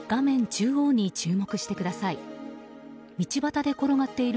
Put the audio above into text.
中央に注目してください。